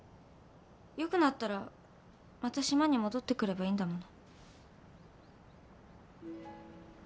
よくなったらまた島に戻ってくればいいんだもの。